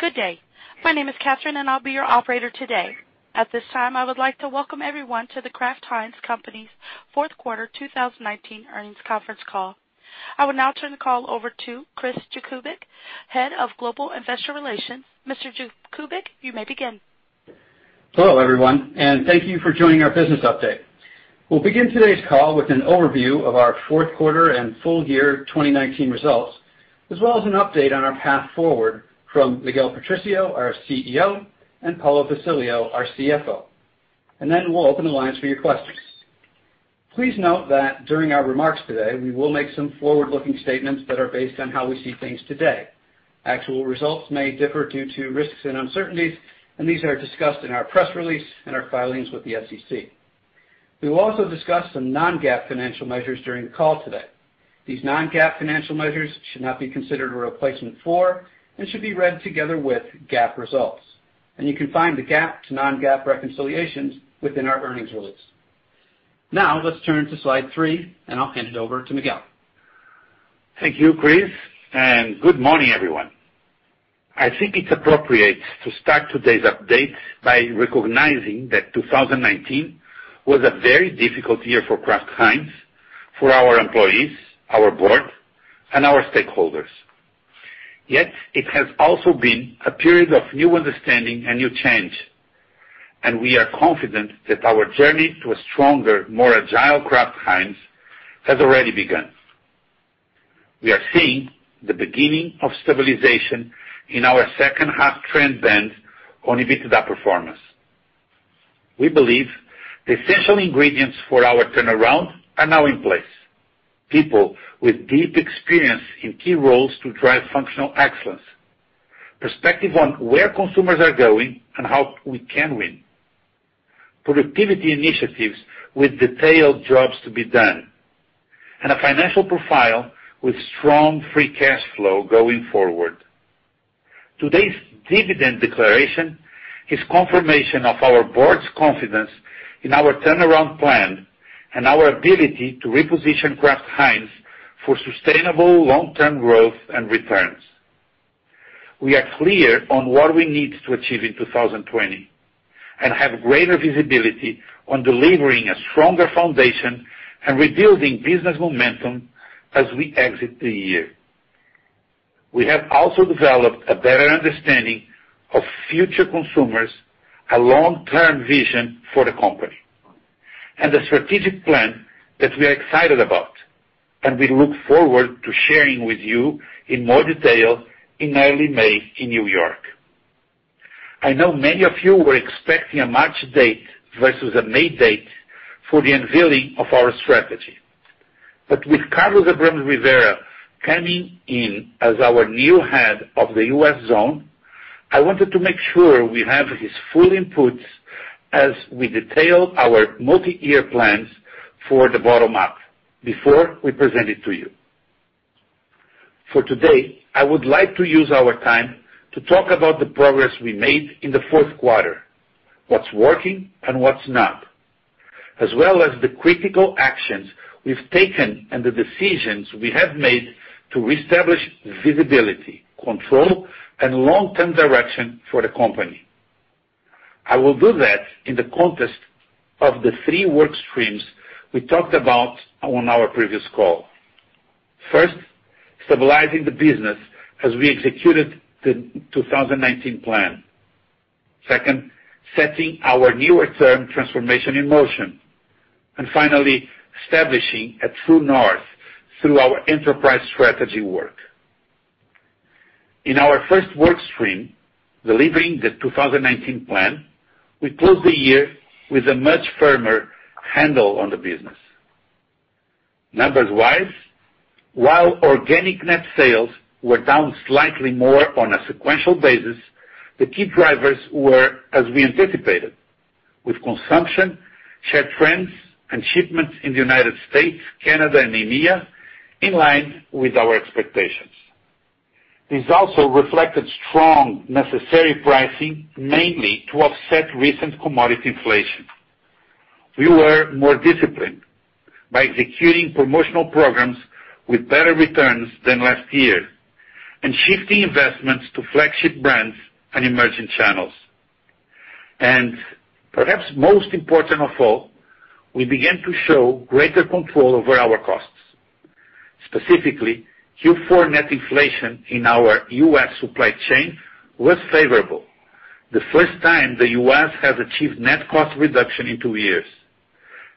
Good day. My name is Catherine, and I'll be your operator today. At this time, I would like to welcome everyone to The Kraft Heinz Company's Q4 2019 earnings conference call. I will now turn the call over to Chris Jakubik, Head of Global Investor Relations. Mr. Jakubik, you may begin. Hello, everyone, and thank you for joining our business update. We'll begin today's call with an overview of our Q4 and full year 2019 results, as well as an update on our path forward from Miguel Patricio, our CEO, and Paulo Basilio, our CFO. We'll open the lines for your questions. Please note that during our remarks today, we will make some forward-looking statements that are based on how we see things today. Actual results may differ due to risks and uncertainties. These are discussed in our press release and our filings with the SEC. We will also discuss some non-GAAP financial measures during the call today. These non-GAAP financial measures should not be considered a replacement for and should be read together with GAAP results. You can find the GAAP to non-GAAP reconciliations within our earnings release. Now, let's turn to slide three, and I'll hand it over to Miguel. Thank you, Chris, and good morning, everyone. I think it's appropriate to start today's update by recognizing that 2019 was a very difficult year for Kraft Heinz, for our employees, our board, and our stakeholders. It has also been a period of new understanding and new change, and we are confident that our journey to a stronger, more agile Kraft Heinz has already begun. We are seeing the beginning of stabilization in our H2 trend bend on EBITDA performance. We believe the essential ingredients for our turnaround are now in place. People with deep experience in key roles to drive functional excellence, perspective on where consumers are going and how we can win, productivity initiatives with detailed jobs to be done, and a financial profile with strong free cash flow going forward. Today's dividend declaration is confirmation of our board's confidence in our turnaround plan and our ability to reposition Kraft Heinz for sustainable long-term growth and returns. We are clear on what we need to achieve in 2020 and have greater visibility on delivering a stronger foundation and rebuilding business momentum as we exit the year. We have also developed a better understanding of future consumers, a long-term vision for the company, and a strategic plan that we are excited about and we look forward to sharing with you in more detail in early May in New York. I know many of you were expecting a March date versus a May date for the unveiling of our strategy. With Carlos Abrams-Rivera coming in as our new head of the U.S. zone, I wanted to make sure we have his full input as we detail our multi-year plans for the bottom up before we present it to you. For today, I would like to use our time to talk about the progress we made in the Q4, what's working and what's not, as well as the critical actions we've taken and the decisions we have made to reestablish visibility, control, and long-term direction for the company. I will do that in the context of the three work streams we talked about on our previous call. First, stabilizing the business as we executed the 2019 plan. Second, setting our newer term transformation in motion. Finally, establishing a true north through our enterprise strategy work. In our first work stream, delivering the 2019 plan, we closed the year with a much firmer handle on the business. Numbers-wise, while organic net sales were down slightly more on a sequential basis, the key drivers were as we anticipated, with consumption, shared trends, and shipments in the U.S., Canada, and EMEA in line with our expectations. These also reflected strong necessary pricing, mainly to offset recent commodity inflation. We were more disciplined by executing promotional programs with better returns than last year and shifting investments to flagship brands and emerging channels. Perhaps most important of all, we began to show greater control over our costs. Specifically, Q4 net inflation in our U.S. supply chain was favorable, the first time the U.S. has achieved net cost reduction in two years.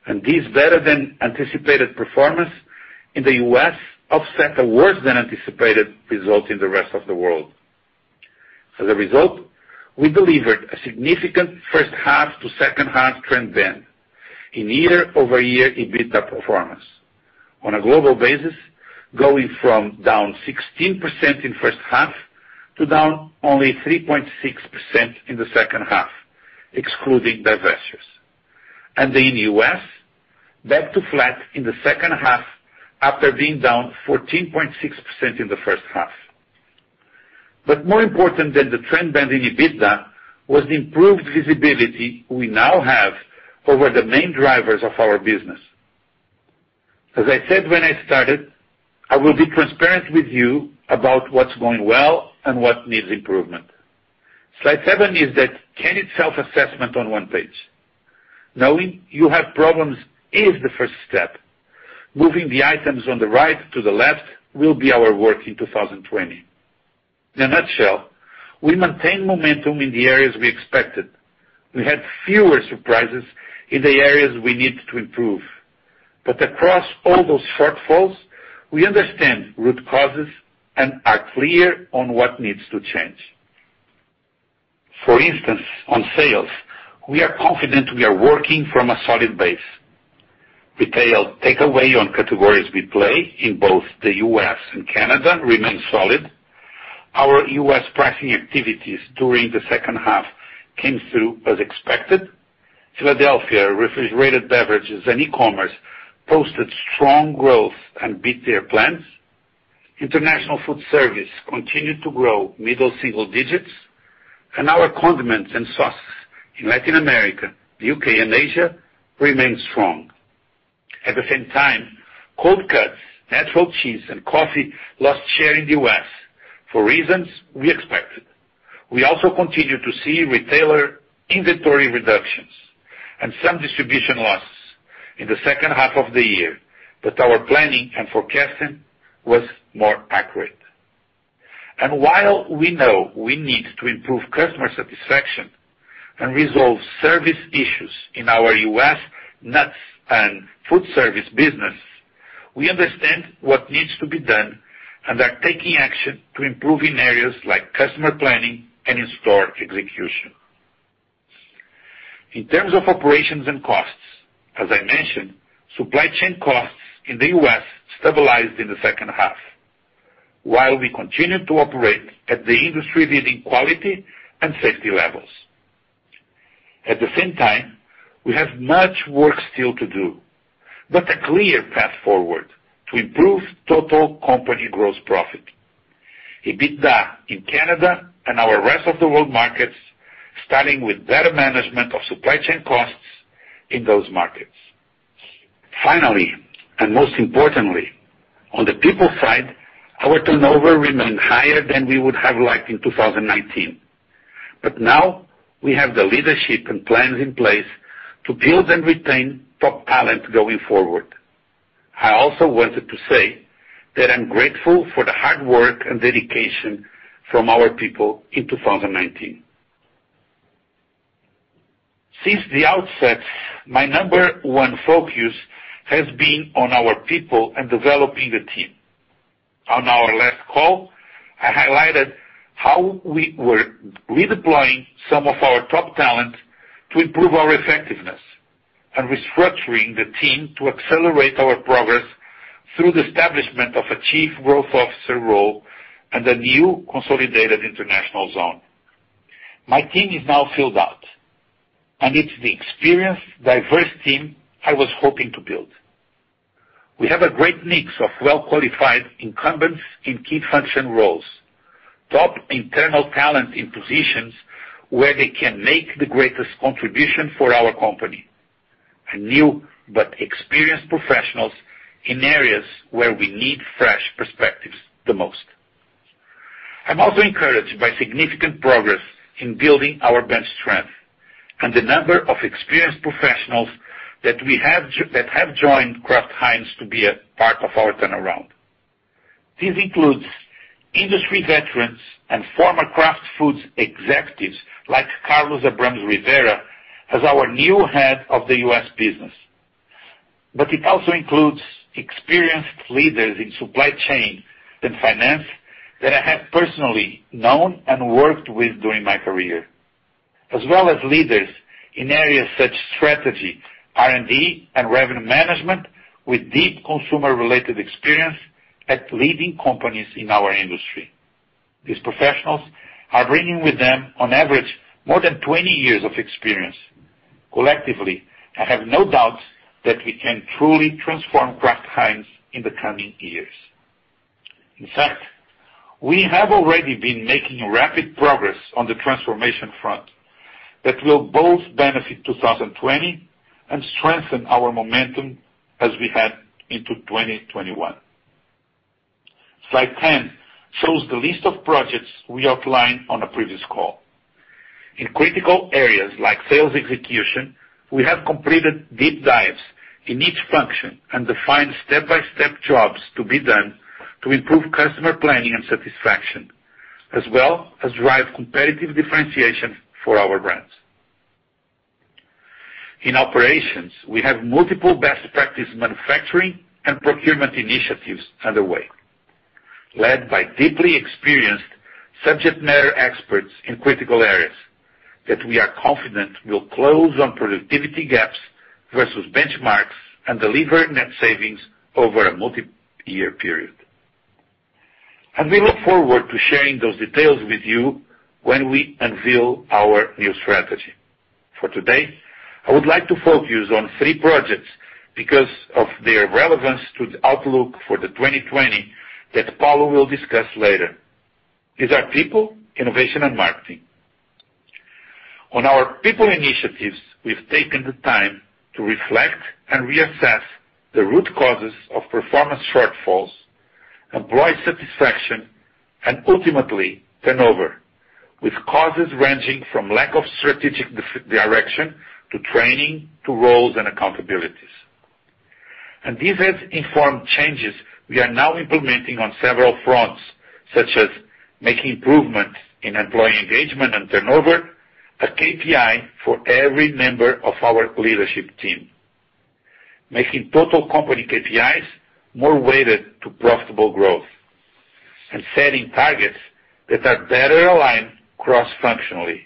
This better-than-anticipated performance in the U.S. offset a worse-than-anticipated result in the rest of the world. As a result, we delivered a significant H1-H2 trend bend in year-over-year EBITDA performance. On a global basis, going from down 16% in H1 to down only 3.6% in the H2, excluding divestitures. In the U.S., back to flat in the H2 after being down 14.6% in the H1. More important than the trend bend in EBITDA was the improved visibility we now have over the main drivers of our business. As I said when I started, I will be transparent with you about what's going well and what needs improvement. Slide seven is that candid self-assessment on one page. Knowing you have problems is the first step. Moving the items on the right to the left will be our work in 2020. In a nutshell, we maintained momentum in the areas we expected. We had fewer surprises in the areas we need to improve. Across all those shortfalls, we understand root causes and are clear on what needs to change. For instance, on sales, we are confident we are working from a solid base. Retail takeaway on categories we play in both the U.S. and Canada remains solid. Our U.S. pricing activities during the H2 came through as expected. Philadelphia Refrigerated Beverages and eCommerce posted strong growth and beat their plans. International food service continued to grow middle single digits, and our condiments and sauces in Latin America, the U.K., and Asia remain strong. At the same time, cold cuts, natural cheese, and coffee lost share in the U.S. for reasons we expected. We also continue to see retailer inventory reductions and some distribution losses in the H2 of the year. Our planning and forecasting was more accurate. While we know we need to improve customer satisfaction and resolve service issues in our U.S. nuts and food service business, we understand what needs to be done and are taking action to improve in areas like customer planning and in-store execution. In terms of operations and costs, as I mentioned, supply chain costs in the U.S. stabilized in the H2 while we continued to operate at the industry-leading quality and safety levels. At the same time, we have much work still to do, but a clear path forward to improve total company gross profit. EBITDA in Canada and our rest-of-the-world markets, starting with better management of supply chain costs in those markets. Finally, most importantly, on the people side, our turnover remained higher than we would have liked in 2019. Now we have the leadership and plans in place to build and retain top talent going forward. I also wanted to say that I'm grateful for the hard work and dedication from our people in 2019. Since the outset, my number one focus has been on our people and developing the team. On our last call, I highlighted how we were redeploying some of our top talent to improve our effectiveness and restructuring the team to accelerate our progress through the establishment of a chief growth officer role and a new consolidated international zone. My team is now filled out, and it's the experienced, diverse team I was hoping to build. We have a great mix of well-qualified incumbents in key function roles, top internal talent in positions where they can make the greatest contribution for our company, and new but experienced professionals in areas where we need fresh perspectives the most. I'm also encouraged by significant progress in building our bench strength and the number of experienced professionals that have joined Kraft Heinz to be a part of our turnaround. This includes industry veterans and former Kraft Foods executives like Carlos Abrams-Rivera as our new head of the U.S. business. It also includes experienced leaders in supply chain and finance that I have personally known and worked with during my career, as well as leaders in areas such as strategy, R&D, and revenue management with deep consumer-related experience at leading companies in our industry. These professionals are bringing with them, on average, more than 20 years of experience. Collectively, I have no doubt that we can truly transform Kraft Heinz in the coming years. In fact, we have already been making rapid progress on the transformation front that will both benefit 2020 and strengthen our momentum as we head into 2021. Slide 10 shows the list of projects we outlined on a previous call. In critical areas like sales execution, we have completed deep dives in each function and defined step-by-step jobs to be done to improve customer planning and satisfaction, as well as drive competitive differentiation for our brands. In operations, we have multiple best practice manufacturing and procurement initiatives underway, led by deeply experienced subject matter experts in critical areas that we are confident will close on productivity gaps versus benchmarks and deliver net savings over a multi-year period. We look forward to sharing those details with you when we unveil our new strategy. For today, I would like to focus on three projects because of their relevance to the outlook for the 2020 that Paulo will discuss later. These are people, innovation, and marketing. On our people initiatives, we've taken the time to reflect and reassess the root causes of performance shortfalls, employee satisfaction, and ultimately turnover, with causes ranging from lack of strategic direction, to training, to roles and accountabilities. This has informed changes we are now implementing on several fronts, such as making improvements in employee engagement and turnover, a KPI for every member of our leadership team. Making total company KPIs more weighted to profitable growth. Setting targets that are better aligned cross-functionally,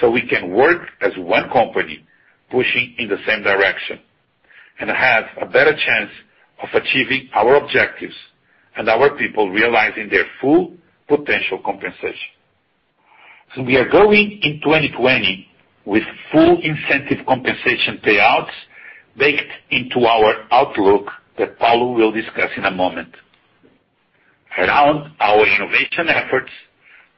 so we can work as one company pushing in the same direction, and have a better chance of achieving our objectives and our people realizing their full potential compensation. We are going in 2020 with full incentive compensation payouts baked into our outlook that Paulo will discuss in a moment. Around our innovation efforts,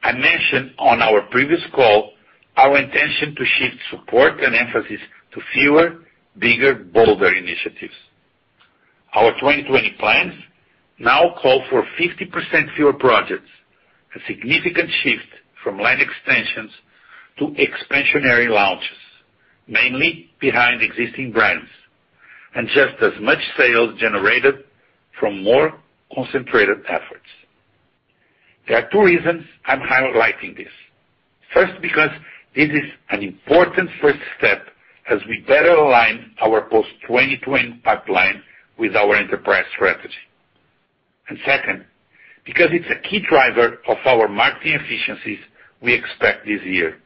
I mentioned on our previous call our intention to shift support and emphasis to fewer, bigger, bolder initiatives. Our 2020 plans now call for 50% fewer projects, a significant shift from line extensions to expansionary launches, mainly behind existing brands, and just as much sales generated from more concentrated efforts. There are two reasons I'm highlighting this. First, because this is an important first step as we better align our post-2020 pipeline with our enterprise strategy. Second, because it's a key driver of our marketing efficiencies we expect this year.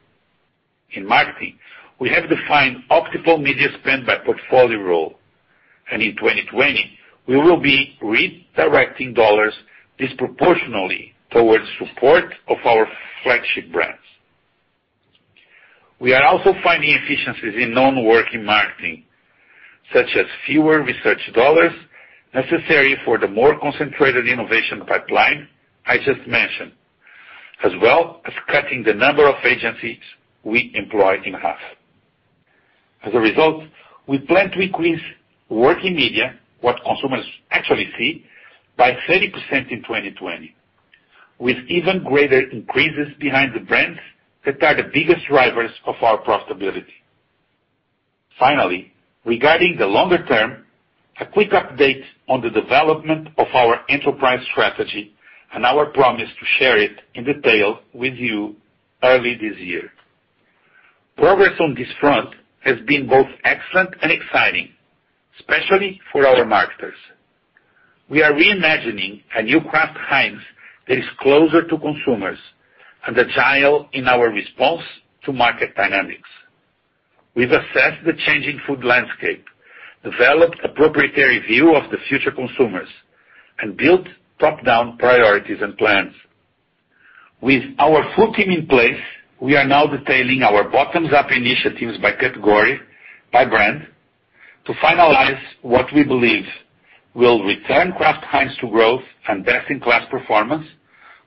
In marketing, we have defined optimal media spend by portfolio role, and in 2020, we will be redirecting dollars disproportionately towards support of our flagship brands. We are also finding efficiencies in non-working marketing, such as fewer research dollars necessary for the more concentrated innovation pipeline I just mentioned, as well as cutting the number of agencies we employ in half. As a result, we plan to increase working media, what consumers actually see, by 30% in 2020, with even greater increases behind the brands that are the biggest drivers of our profitability. Finally, regarding the longer term, a quick update on the development of our enterprise strategy and our promise to share it in detail with you early this year. Progress on this front has been both excellent and exciting, especially for our marketers. We are reimagining a new Kraft Heinz that is closer to consumers and agile in our response to market dynamics. We've assessed the changing food landscape, developed a proprietary view of the future consumers, and built top-down priorities and plans. With our full team in place, we are now detailing our bottoms-up initiatives by category, by brand to finalize what we believe will return Kraft Heinz to growth and best-in-class performance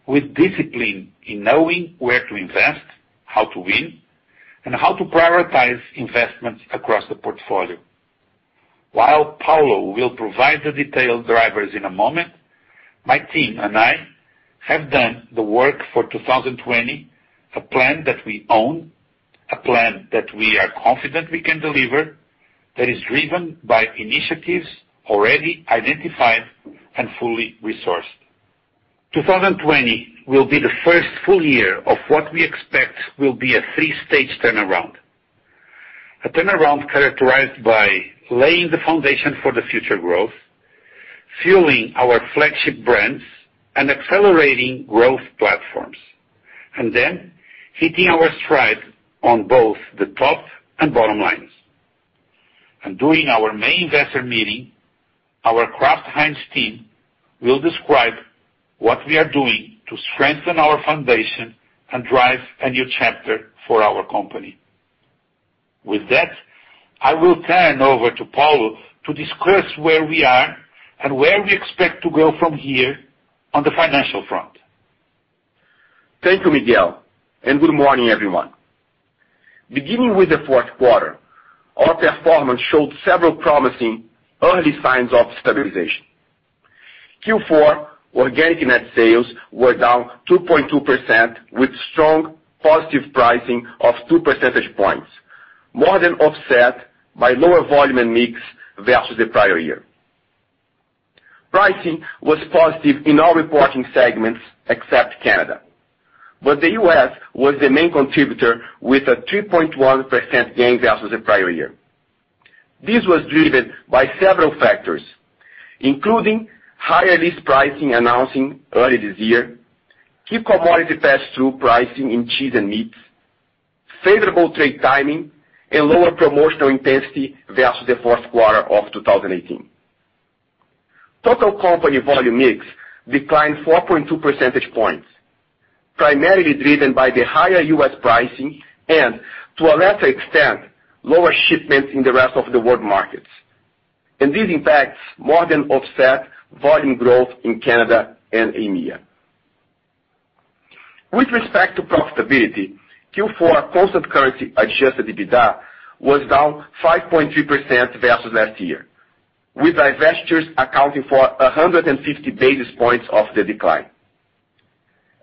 with discipline in knowing where to invest, how to win, and how to prioritize investments across the portfolio. While Paulo will provide the detailed drivers in a moment, my team and I have done the work for 2020, a plan that we own, a plan that we are confident we can deliver, that is driven by initiatives already identified and fully resourced. 2020 will be the first full year of what we expect will be a three-stage turnaround. A turnaround characterized by laying the foundation for the future growth, fueling our flagship brands, and accelerating growth platforms, and then hitting our stride on both the top and bottom lines. During our main investor meeting, our Kraft Heinz team will describe what we are doing to strengthen our foundation and drive a new chapter for our company. With that, I will turn over to Paulo to discuss where we are and where we expect to go from here on the financial front. Thank you, Miguel, and good morning, everyone. Beginning with the Q4, our performance showed several promising early signs of stabilization. Q4 organic net sales were down 2.2% with strong positive pricing of two percentage points, more than offset by lower volume and mix versus the prior year. Pricing was positive in all reporting segments except Canada, but the U.S. was the main contributor with a 3.1% gain versus the prior year. This was driven by several factors, including higher list pricing announcing early this year, key commodity pass-through pricing in cheese and meats, favorable trade timing, and lower promotional intensity versus the Q4 of 2018. Total company volume mix declined 4.2 percentage points, primarily driven by the higher U.S. pricing and, to a lesser extent, lower shipments in the rest of the world markets. This impacts more than offset volume growth in Canada and EMEA. With respect to profitability, Q4 constant currency adjusted EBITDA was down 5.3% versus last year, with divestitures accounting for 150 basis points of the decline.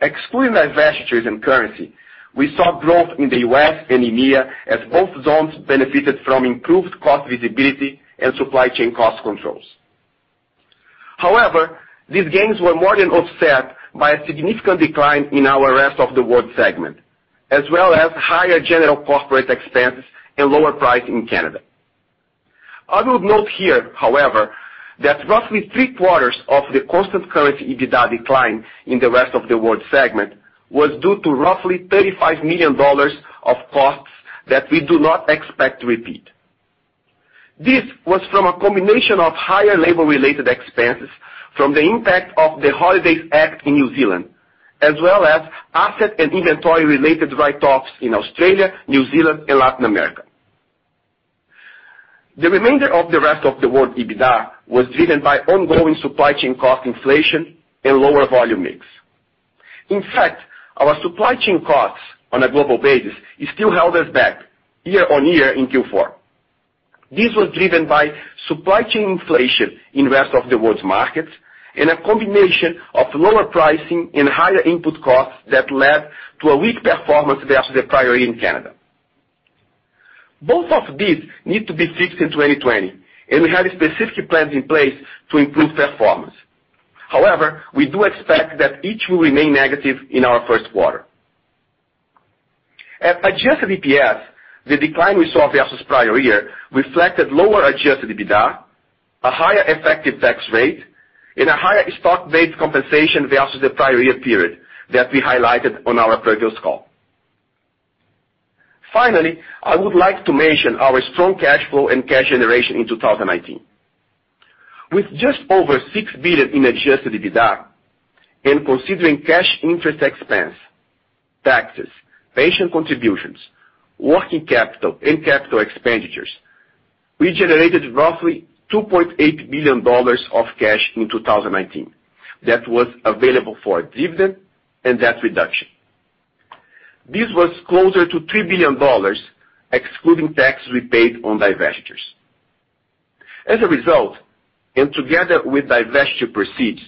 Excluding divestitures and currency, we saw growth in the U.S. and EMEA as both zones benefited from improved cost visibility and supply chain cost controls. However, these gains were more than offset by a significant decline in our rest of the world segment, as well as higher general corporate expenses and lower price in Canada. I would note here, however, that roughly three-quarters of the constant currency EBITDA decline in the rest of the world segment was due to roughly $35 million of costs that we do not expect to repeat. This was from a combination of higher labor-related expenses from the impact of the Holidays Act in New Zealand, as well as asset and inventory-related write-offs in Australia, New Zealand, and Latin America. The remainder of the rest of the world EBITDA was driven by ongoing supply chain cost inflation and lower volume mix. In fact, our supply chain costs on a global basis still held us back year-on-year in Q4. This was driven by supply chain inflation in rest of the world's markets and a combination of lower pricing and higher input costs that led to a weak performance versus the prior year in Canada. Both of these need to be fixed in 2020, and we have specific plans in place to improve performance. However, we do expect that each will remain negative in our Q1. At adjusted EPS, the decline we saw versus the prior year reflected lower adjusted EBITDA, a higher effective tax rate, and a higher stock-based compensation versus the prior year period that we highlighted on our previous call. Finally, I would like to mention our strong cash flow and cash generation in 2019. With just over $6 billion in adjusted EBITDA and considering cash interest expense, taxes, pension contributions, working capital, and capital expenditures, we generated roughly $2.8 billion of cash in 2019 that was available for dividend and debt reduction. This was closer to $3 billion, excluding taxes we paid on divestitures. As a result, and together with divestiture proceeds,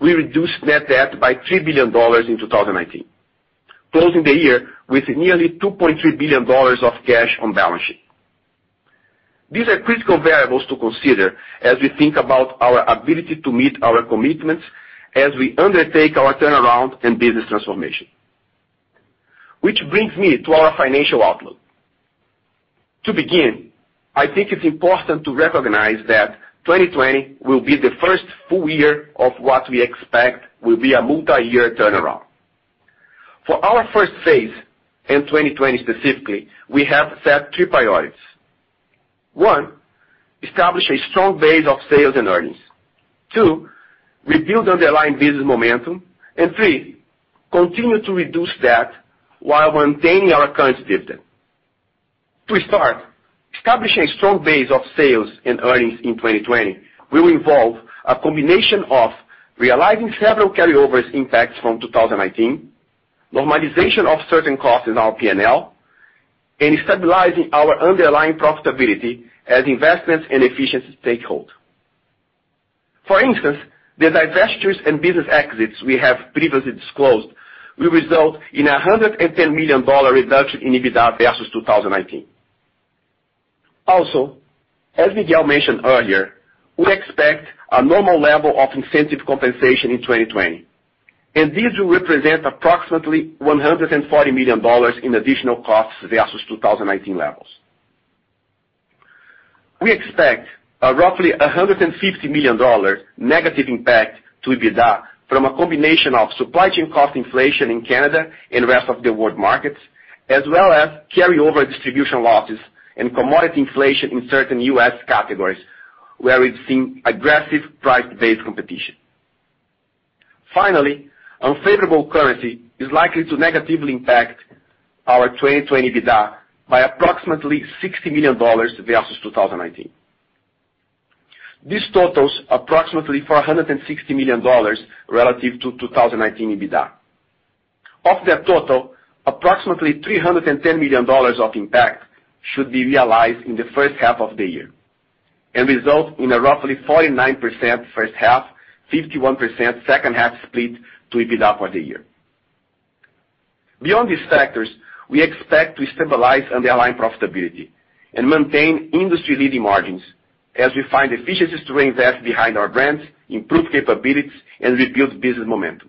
we reduced net debt by $3 billion in 2019, closing the year with nearly $2.3 billion of cash on the balance sheet. These are critical variables to consider as we think about our ability to meet our commitments as we undertake our turnaround and business transformation. Which brings me to our financial outlook. To begin, I think it's important to recognize that 2020 will be the first full year of what we expect will be a multi-year turnaround. For our first phase, in 2020 specifically, we have set three priorities. One, establish a strong base of sales and earnings. Two, rebuild underlying business momentum. Three, continue to reduce debt while maintaining our current dividend. To start, establishing a strong base of sales and earnings in 2020 will involve a combination of realizing several carryovers impacts from 2019, normalization of certain costs in our P&L, and stabilizing our underlying profitability as investments and efficiencies take hold. For instance, the divestitures and business exits we have previously disclosed will result in a $110 million reduction in EBITDA versus 2019. Also, as Miguel mentioned earlier, we expect a normal level of incentive compensation in 2020, and this will represent approximately $140 million in additional costs versus 2019 levels. We expect a roughly $150 million negative impact to EBITDA from a combination of supply chain cost inflation in Canada and rest of the world markets, as well as carryover distribution losses and commodity inflation in certain U.S. categories, where we've seen aggressive price-based competition. Finally, unfavorable currency is likely to negatively impact our 2020 EBITDA by approximately $60 million versus 2019. This totals approximately $460 million relative to 2019 EBITDA. Of that total, approximately $310 million of impact should be realized in the H1 of the year and result in a roughly 49% H1, 51% H2 split to EBITDA for the year. Beyond these factors, we expect to stabilize underlying profitability and maintain industry-leading margins as we find efficiencies to reinvest behind our brands, improve capabilities, and rebuild business momentum.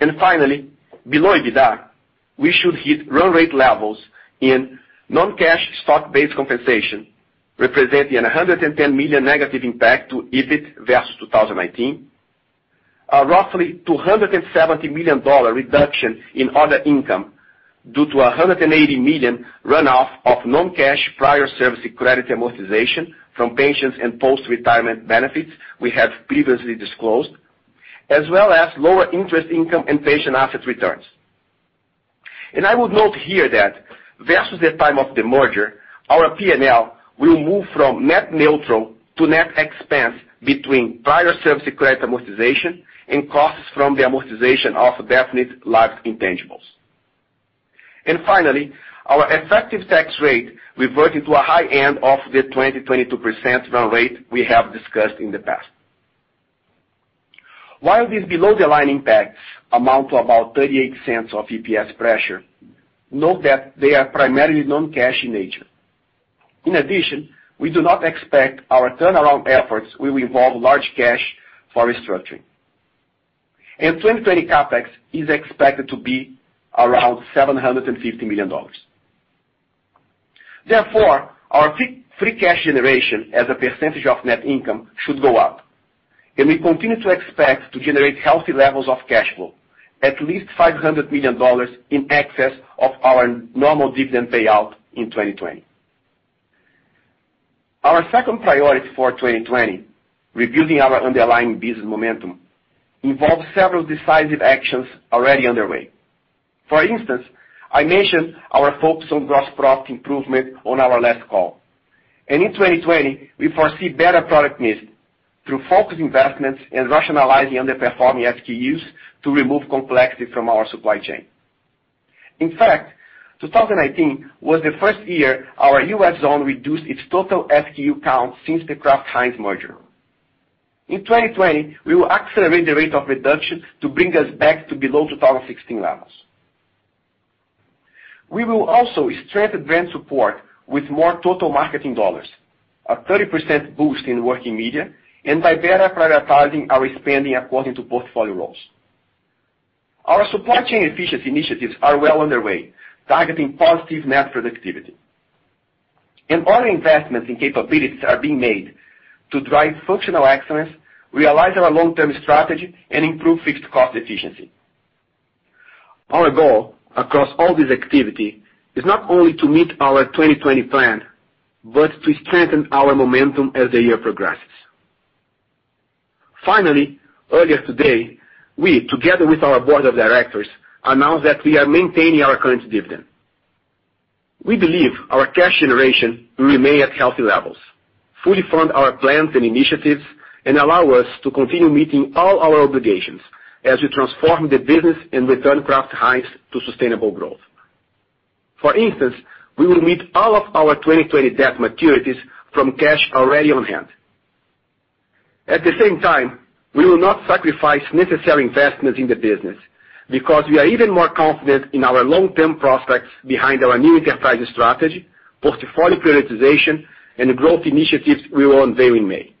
Below EBITDA, we should hit run rate levels in non-cash stock-based compensation, representing a $110 million negative impact to EBIT versus 2019. A roughly $270 million reduction in other income due to $180 million runoff of non-cash prior service credit amortization from pensions and post-retirement benefits we have previously disclosed, as well as lower interest income and pension asset returns. Versus the time of the merger, our P&L will move from net neutral to net expense between prior service credit amortization and costs from the amortization of definite large intangibles. Our effective tax rate reverted to a high end of the 20%-22% run rate we have discussed in the past. While these below-the-line impacts amount to about $0.38 of EPS pressure, note that they are primarily non-cash in nature. In addition, we do not expect our turnaround efforts will involve large cash for restructuring. 2020 CapEx is expected to be around $750 million. Therefore, our free cash generation as a percentage of net income should go up, and we continue to expect to generate healthy levels of cash flow, at least $500 million in excess of our normal dividend payout in 2020. Our second priority for 2020, rebuilding our underlying business momentum, involves several decisive actions already underway. For instance, I mentioned our focus on gross profit improvement on our last call. In 2020, we foresee better product mix through focused investments and rationalizing underperforming SKUs to remove complexity from our supply chain. In fact, 2019 was the first year our U.S. Zone reduced its total SKU count since the Kraft Heinz merger. In 2020, we will accelerate the rate of reduction to bring us back to below 2016 levels. We will also strengthen brand support with more total marketing dollars, a 30% boost in working media, and by better prioritizing our spending according to portfolio roles. Our supply chain efficiency initiatives are well underway, targeting positive net productivity. All investments and capabilities are being made to drive functional excellence, realize our long-term strategy, and improve fixed cost efficiency. Our goal across all this activity is not only to meet our 2020 plan, but to strengthen our momentum as the year progresses. Finally, earlier today, we, together with our board of directors, announced that we are maintaining our current dividend. We believe our cash generation will remain at healthy levels, fully fund our plans and initiatives, and allow us to continue meeting all our obligations as we transform the business and return Kraft Heinz to sustainable growth. For instance, we will meet all of our 2020 debt maturities from cash already on hand. At the same time, we will not sacrifice necessary investments in the business because we are even more confident in our long-term prospects behind our new enterprise strategy, portfolio prioritization, and growth initiatives we will unveil in May.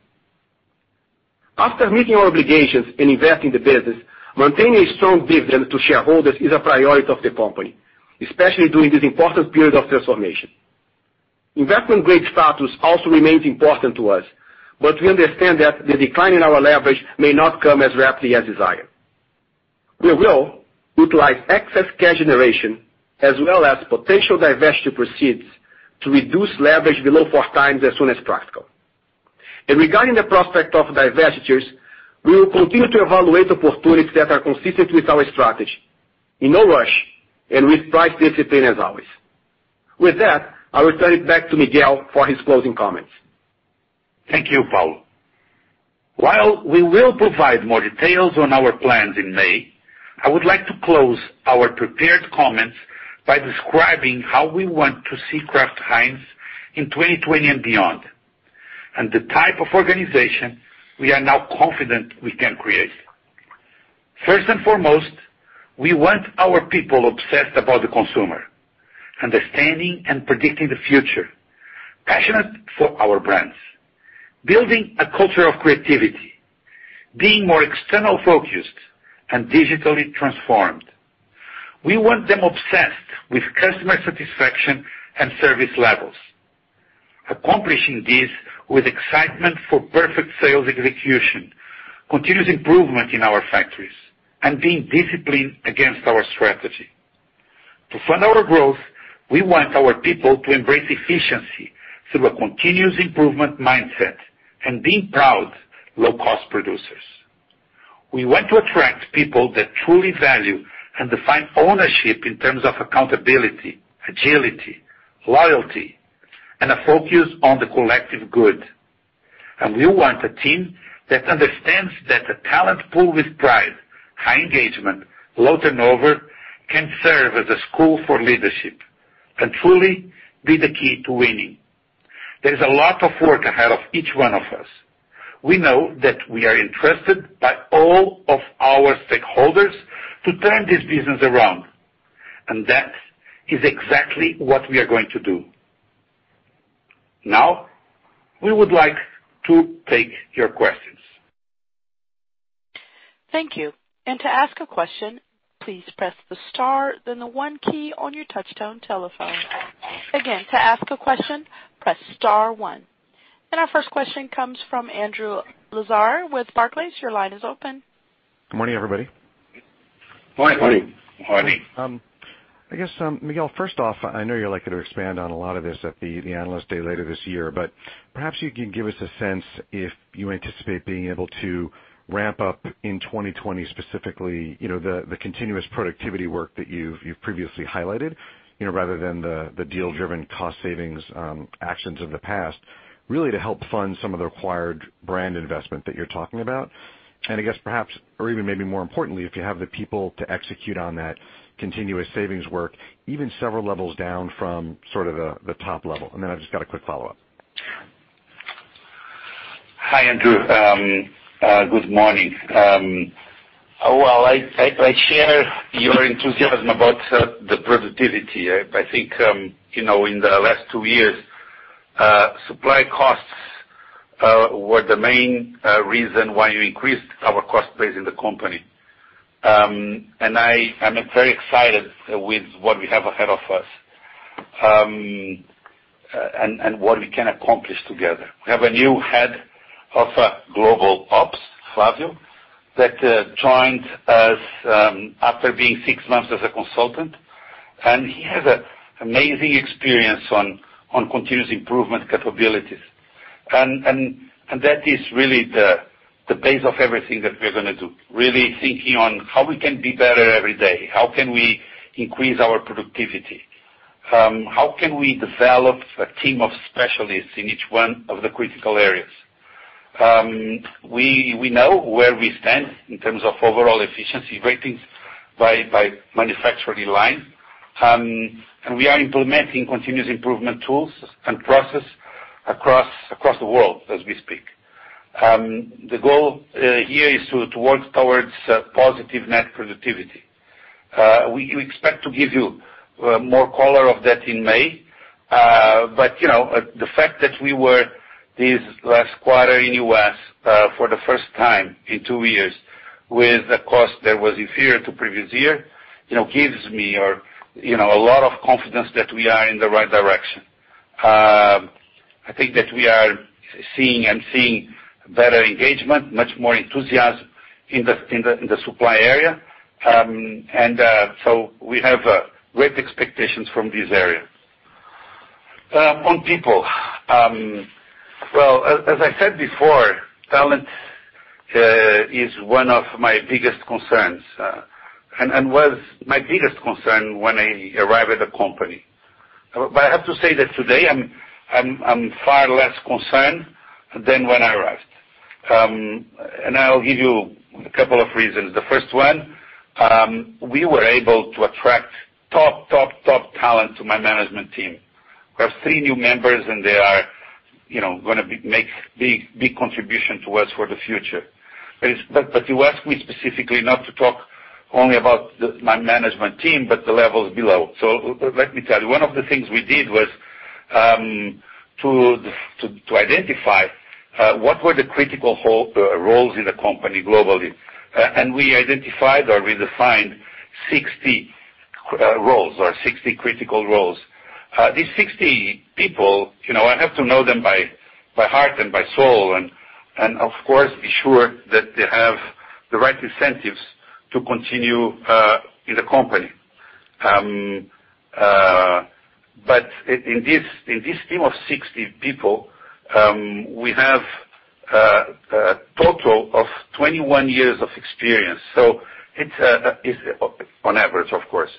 After meeting our obligations and investing in the business, maintaining a strong dividend to shareholders is a priority of the company, especially during this important period of transformation. Investment grade status also remains important to us, but we understand that the decline in our leverage may not come as rapidly as desired. We will utilize excess cash generation as well as potential divestiture proceeds to reduce leverage below 4x as soon as practical. Regarding the prospect of divestitures, we will continue to evaluate opportunities that are consistent with our strategy in no rush and with price discipline as always. With that, I'll return it back to Miguel for his closing comments. Thank you, Paulo. While we will provide more details on our plans in May, I would like to close our prepared comments by describing how we want to see Kraft Heinz in 2020 and beyond, and the type of organization we are now confident we can create. First and foremost, we want our people obsessed about the consumer, understanding and predicting the future, passionate for our brands, building a culture of creativity, being more external focused and digitally transformed. We want them obsessed with customer satisfaction and service levels, accomplishing this with excitement for perfect sales execution, continuous improvement in our factories, and being disciplined against our strategy. To fund our growth, we want our people to embrace efficiency through a continuous improvement mindset and being proud low-cost producers. We want to attract people that truly value and define ownership in terms of accountability, agility, loyalty, and a focus on the collective good. We want a team that understands that a talent pool with pride, high engagement, low turnover, can serve as a school for leadership and truly be the key to winning. There's a lot of work ahead of each one of us. We know that we are entrusted by all of our stakeholders to turn this business around, and that is exactly what we are going to do. Now, we would like to take your questions. Thank you. To ask a question, please press the star, then the one key on your touchtone telephone. Again, to ask a question, press star one. Our first question comes from Andrew Lazar with Barclays. Your line is open. Good morning, everybody. Morning. I guess, Miguel, first off, I know you're likely to expand on a lot of this at the analyst day later this year, but perhaps you could give us a sense if you anticipate being able to ramp up in 2020, specifically, the continuous productivity work that you've previously highlighted, rather than the deal-driven cost savings actions of the past, really to help fund some of the required brand investment that you're talking about. I guess perhaps, or even maybe more importantly, if you have the people to execute on that continuous savings work, even several levels down from sort of the top level. Then I've just got a quick follow-up. Hi, Andrew. Good morning. Well, I share your enthusiasm about the productivity. I think, in the last two years, supply costs were the main reason why we increased our cost base in the company. I am very excited with what we have ahead of us and what we can accomplish together. We have a new head of global ops, Flavio. That joined us after being six months as a consultant, and he has amazing experience on continuous improvement capabilities. That is really the base of everything that we're going to do, really thinking on how we can be better every day. How can we increase our productivity? How can we develop a team of specialists in each one of the critical areas? We know where we stand in terms of overall efficiency ratings by manufacturing line. We are implementing continuous improvement tools and process across the world as we speak. The goal here is to work towards positive net productivity. We expect to give you more color of that in May. The fact that we were this last quarter in U.S. for the first time in two years with a cost that was inferior to previous year, gives me a lot of confidence that we are in the right direction. I think that we are seeing better engagement, much more enthusiasm in the supply area. We have great expectations from this area. On people. Well, as I said before, talent is one of my biggest concerns, and was my biggest concern when I arrived at the company. I have to say that today I'm far less concerned than when I arrived. I'll give you a couple of reasons. The first one, we were able to attract top talent to my management team. We have three new members, and they are going to make big contribution to us for the future. You asked me specifically not to talk only about my management team, but the levels below. Let me tell you, one of the things we did was to identify what were the critical roles in the company globally. We identified or redesigned 60 roles or 60 critical roles. These 60 people, I have to know them by heart and by soul and, of course, be sure that they have the right incentives to continue in the company. In this team of 60 people, we have a total of 21 years of experience, on average, of course.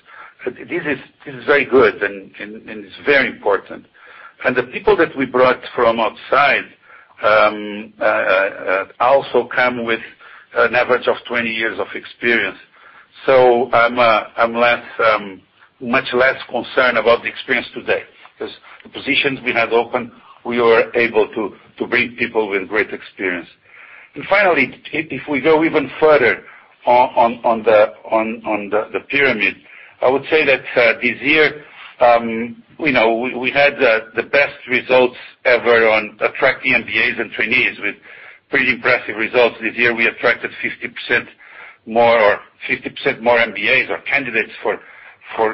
This is very good, and it's very important. The people that we brought from outside also come with an average of 20 years of experience. I'm much less concerned about the experience today because the positions we had open, we were able to bring people with great experience. Finally, if we go even further on the pyramid, I would say that this year, we had the best results ever on attracting MBAs and trainees with pretty impressive results. This year, we attracted 50% more MBAs or candidates for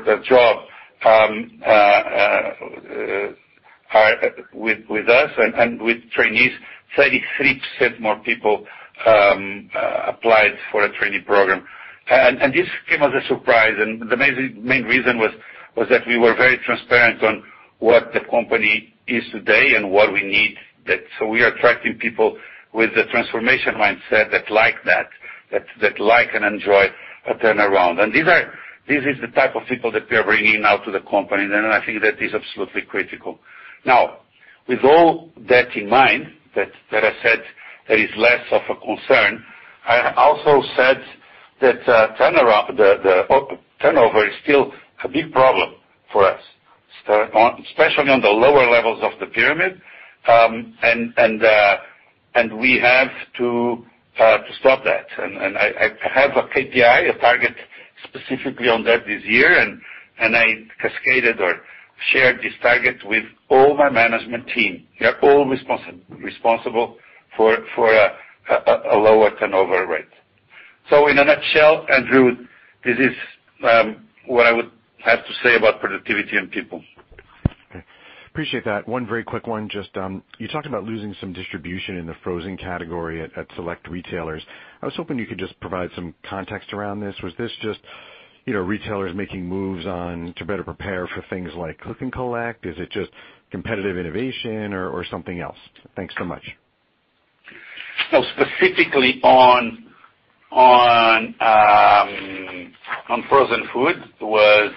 the job with us. With trainees, 33% more people applied for a trainee program. This came as a surprise, and the main reason was that we were very transparent on what the company is today and what we need. We are attracting people with the transformation mindset that like that like and enjoy a turnaround. This is the type of people that we're bringing now to the company, and I think that is absolutely critical. With all that in mind, that I said that is less of a concern, I also said that turnover is still a big problem for us, especially on the lower levels of the pyramid, and we have to stop that. I have a KPI, a target specifically on that this year, and I cascaded or shared this target with all my management team. They're all responsible for a lower turnover rate. In a nutshell, Andrew, this is what I would have to say about productivity and people. Appreciate that. One very quick one. You talked about losing some distribution in the frozen category at select retailers. I was hoping you could just provide some context around this. Was this just retailers making moves on to better prepare for things like click and collect? Is it just competitive innovation or something else? Thanks so much. Specifically on frozen food, was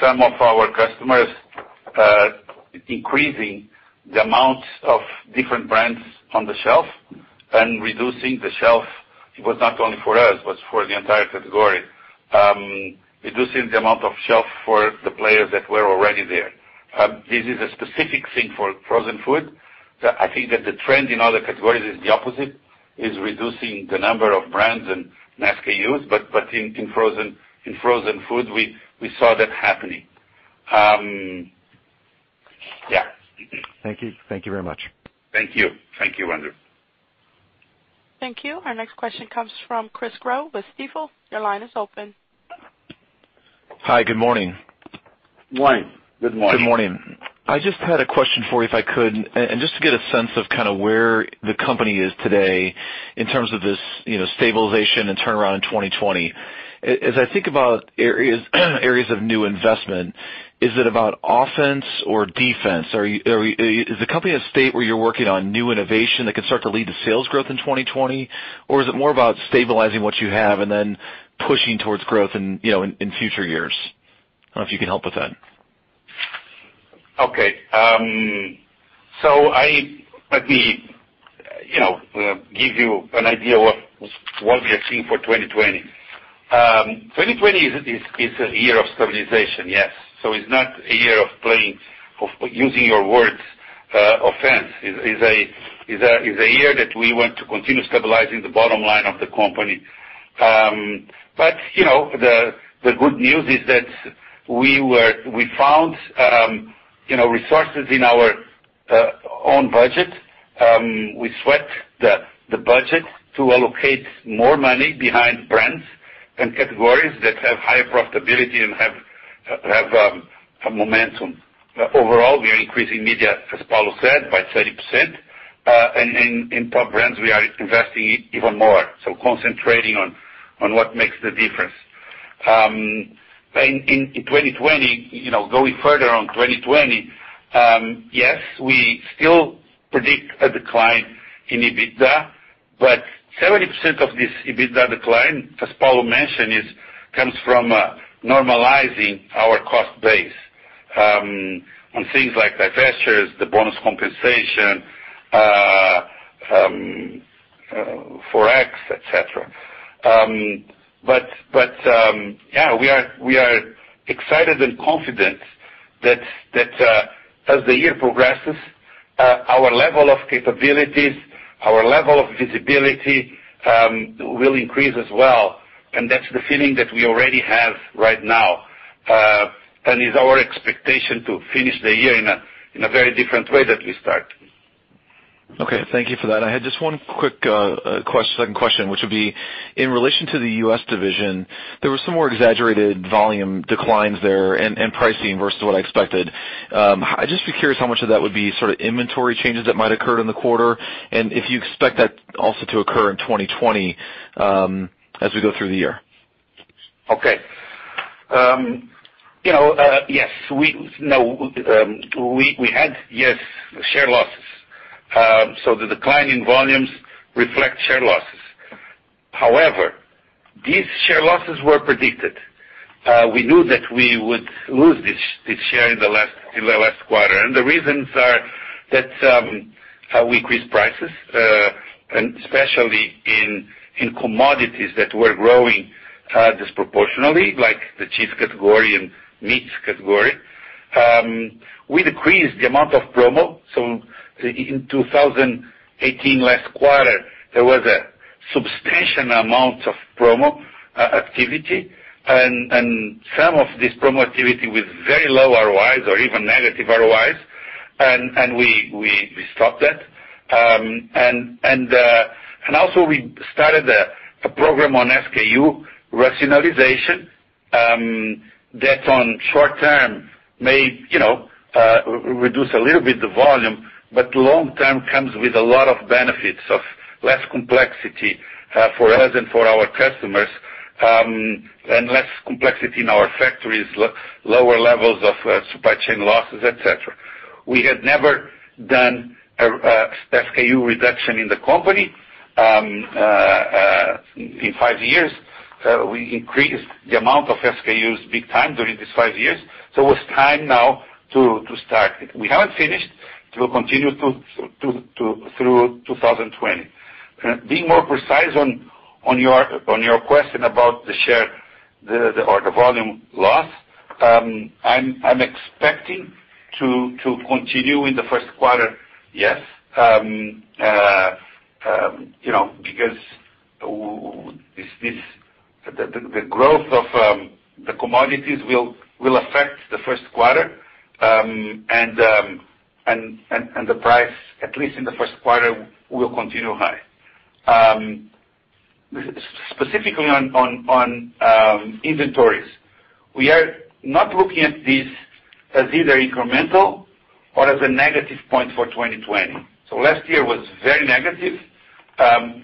some of our customers increasing the amount of different brands on the shelf and reducing the shelf. It was not only for us, but for the entire category. Reducing the amount of shelf for the players that were already there. This is a specific thing for frozen food. I think that the trend in other categories is the opposite. Is reducing the number of brands and SKUs, but in frozen food, we saw that happening. Yeah. Thank you. Thank you very much. Thank you. Thank you, Andrew. Thank you. Our next question comes from Chris Growe with Stifel. Your line is open. Hi, good morning. Morning. Good morning. Good morning. I just had a question for you, if I could, and just to get a sense of kind of where the company is today in terms of this stabilization and turnaround in 2020. As I think about areas of new investment, is it about offense or defense? Is the company at a state where you're working on new innovation that can start to lead to sales growth in 2020? Or is it more about stabilizing what you have and then pushing towards growth in future years? I don't know if you can help with that. Okay. Let me give you an idea what we are seeing for 2020. 2020 is a year of stabilization, yes. It's not a year of playing, using your words, offense. It's a year that we want to continue stabilizing the bottom line of the company. The good news is that we found resources in our own budget. We swept the budget to allocate more money behind brands and categories that have higher profitability and have momentum. Overall, we are increasing media, as Paulo said, by 30%. In top brands, we are investing even more. Concentrating on what makes the difference. In 2020, going further on 2020, yes, we still predict a decline in EBITDA, but 70% of this EBITDA decline, as Paulo mentioned, comes from normalizing our cost base on things like divestitures, the bonus compensation, Forex, et cetera. Yeah, we are excited and confident that as the year progresses, our level of capabilities, our level of visibility will increase as well, and that's the feeling that we already have right now, and is our expectation to finish the year in a very different way that we start. Okay. Thank you for that. I had just one quick second question, which would be, in relation to the U.S. division, there were some more exaggerated volume declines there and pricing versus what I expected. I'd just be curious how much of that would be sort of inventory changes that might occur in the quarter, and if you expect that also to occur in 2020 as we go through the year. Okay. Yes. We had, yes, share losses. The decline in volumes reflects share losses. However, these share losses were predicted. We knew that we would lose this share in the last quarter. The reasons are that we increased prices, and especially in commodities that were growing disproportionately, like the cheese category and meats category. We decreased the amount of promo. In 2018, last quarter, there was a substantial amount of promo activity, and some of this promo activity with very low ROIs or even negative ROIs, and we stopped that. Also we started a program on SKU rationalization, that on short-term may reduce a little bit the volume, but long-term comes with a lot of benefits of less complexity for us and for our customers, and less complexity in our factories, lower levels of supply chain losses, et cetera. We had never done a SKU reduction in the company. In five years, we increased the amount of SKUs big time during these five years. It's time now to start. We haven't finished. We'll continue through 2020. Being more precise on your question about the share or the volume loss, I'm expecting to continue in the Q1, yes. The growth of the commodities will affect the Q1, and the price, at least in the Q1, will continue high. Specifically on inventories. We are not looking at this as either incremental or as a negative point for 2020. Last year was very negative.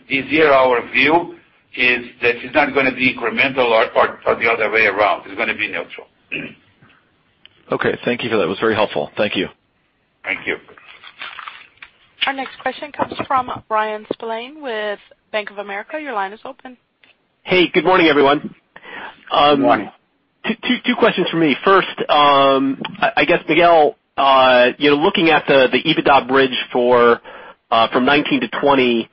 This year, our view is that it's not going to be incremental or the other way around. It's going to be neutral. Okay. Thank you for that. That was very helpful. Thank you. Thank you. Our next question comes from Bryan Spillane with Bank of America. Your line is open. Hey, good morning, everyone. Good morning. Two questions from me. First, I guess, Miguel, looking at the EBITDA bridge from 2019 to 2020,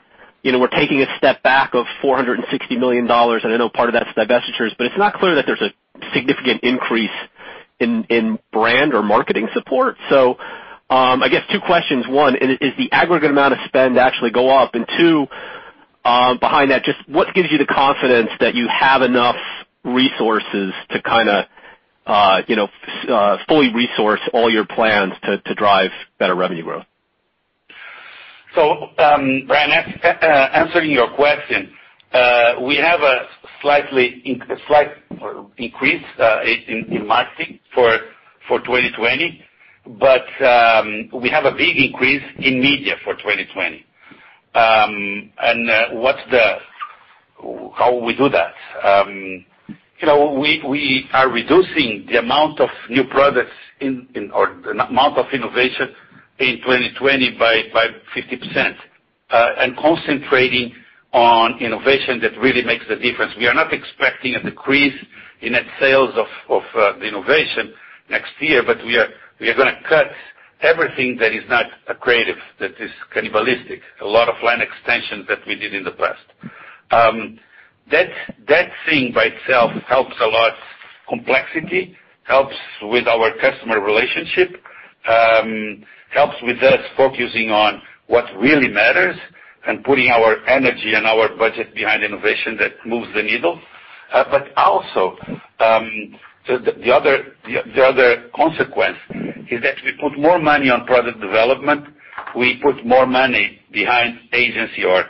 we're taking a step back of $460 million. I know part of that's divestitures, but it's not clear that there's a significant increase in brand or marketing support. I guess two questions. One, is the aggregate amount of spend actually go up? Two, behind that, just what gives you the confidence that you have enough resources to fully resource all your plans to drive better revenue growth? Bryan, answering your question, we have a slight increase in marketing for 2020. We have a big increase in media for 2020. How we do that? We are reducing the amount of new products or the amount of innovation in 2020 by 50% and concentrating on innovation that really makes the difference. We are not expecting a decrease in net sales of the innovation next year. We are going to cut everything that is not accretive, that is cannibalistic, a lot of line extensions that we did in the past. That thing by itself helps a lot complexity, helps with our customer relationship, helps with us focusing on what really matters and putting our energy and our budget behind innovation that moves the needle. Also, the other consequence is that we put more money on product development. We put more money behind agency or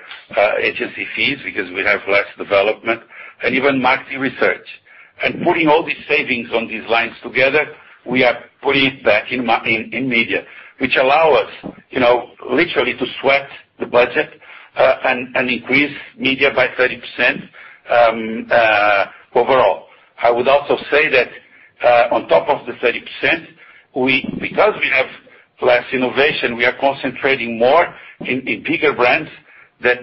agency fees because we have less development and even market research. Putting all these savings on these lines together, we are putting it back in media, which allow us literally to sweat the budget and increase media by 30% overall. I would also say that on top of the 30%, because we have less innovation, we are concentrating more in bigger brands that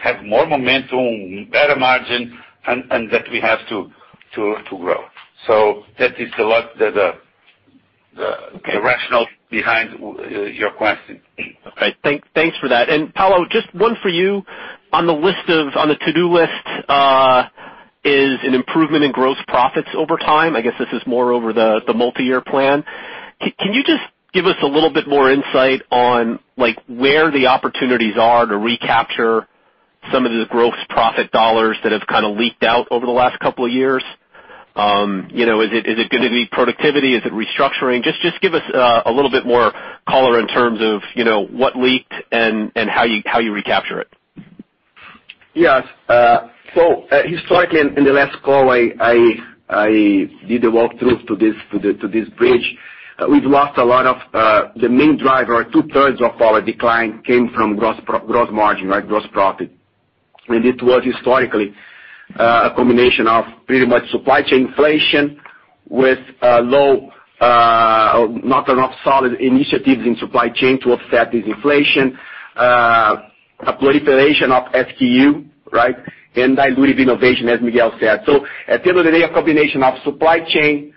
have more momentum, better margin, and that we have to grow. That is the rationale behind your question. Okay. Thanks for that. Paulo, just one for you. On the to-do list is an improvement in gross profits over time. I guess this is more over the multi-year plan. Can you just give us a little bit more insight on where the opportunities are to recapture some of the gross profit dollars that have kind of leaked out over the last couple of years? Is it going to be productivity? Is it restructuring? Just give us a little bit more color in terms of what leaked and how you recapture it. Yes. Historically, in the last call, I did a walkthrough to this bridge. The main driver or two-thirds of our decline came from gross margin, gross profit. It was historically a combination of pretty much supply chain inflation with not enough solid initiatives in supply chain to offset this inflation, a proliferation of SKU and dilutive innovation, as Miguel said. At the end of the day, a combination of supply chain